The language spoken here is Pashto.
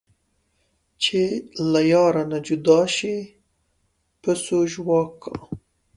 چې له یاره نه جدا شي پسو ژواک کا